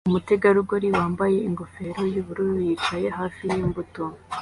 Umutegarugori wambaye ingofero yubururu yicaye hafi yimbuto